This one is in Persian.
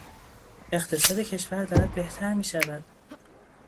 اقتصاد کشور دارد بهتر میشود.